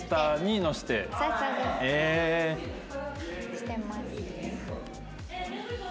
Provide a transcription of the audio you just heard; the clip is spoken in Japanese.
してます。